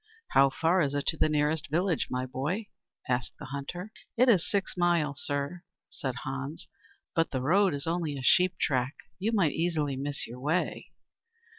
"How far is it to the nearest village, my boy?" asked the hunter. "It is six miles, sir," said Hans. "But the road is only a sheep track. You might easily miss your way."